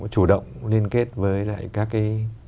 chủ động liên kết với lại các cái